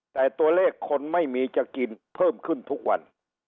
แต่ตัวเลขคนไม่มีจะกินเพิ่มขึ้นทุกวัน